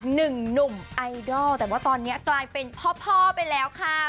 หนุ่มไอดอลแต่ว่าตอนนี้กลายเป็นพ่อไปแล้วค่ะ